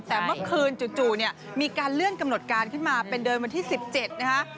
แต่เมื่อคืนจู่เนี่ยมีการเลื่อนกำหนดการขึ้นมาเป็นเดินวันที่๑๗นะคะ